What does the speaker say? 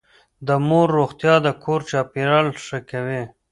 د مور روغتيا د کور چاپېريال ښه کوي.